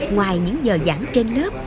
ngoài những giờ giảng trên lớp